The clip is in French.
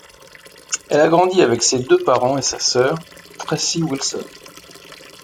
Elle a grandi avec ses deux parents et sa sœur, Tracy Wilson.